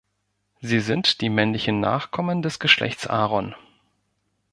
Sie sind die männlichen Nachkommen des Geschlechts Aaron.